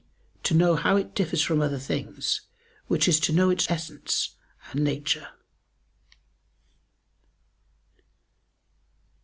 e. to know how it differs from other things; which is to know its essence and nature.